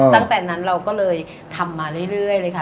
ตั้งแต่นั้นเราก็เลยทำมาเรื่อยเลยค่ะ